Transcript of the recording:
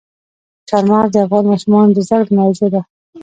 چار مغز د افغان ماشومانو د زده کړې موضوع ده.